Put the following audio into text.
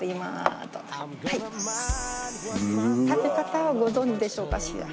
食べ方はご存じでしょうかしら。